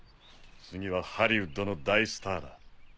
次はハリウッドの大スターだ。